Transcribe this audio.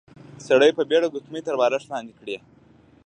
سړي په بيړه ګوتمۍ تر بالښت لاندې کړې.